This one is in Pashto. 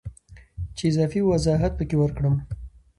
چې اضافي وضاحت پکې ورکړم